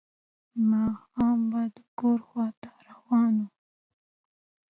ماښام به د کور خواته روان و.